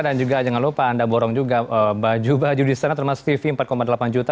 dan juga jangan lupa anda borong juga baju baju di sana termasuk tv rp empat delapan juta